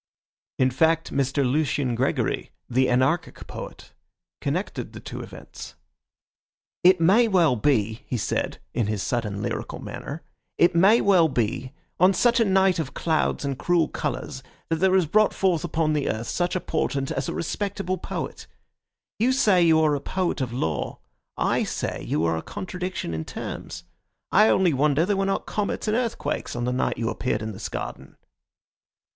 In fact, Mr. Lucian Gregory, the anarchic poet, connected the two events. "It may well be," he said, in his sudden lyrical manner, "it may well be on such a night of clouds and cruel colours that there is brought forth upon the earth such a portent as a respectable poet. You say you are a poet of law; I say you are a contradiction in terms. I only wonder there were not comets and earthquakes on the night you appeared in this garden."